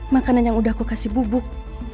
makanan yang udah aku kasih bubuk